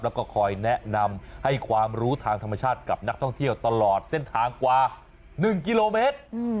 แล้วก็คอยแนะนำให้ความรู้ทางธรรมชาติกับนักท่องเที่ยวตลอดเส้นทางกว่า๑กิโลเมตร